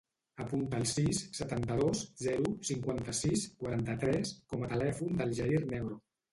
Apunta el sis, setanta-dos, zero, cinquanta-sis, quaranta-tres com a telèfon del Jair Negro.